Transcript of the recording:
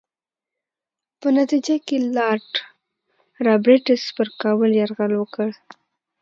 په نتیجه کې لارډ رابرټس پر کابل یرغل وکړ.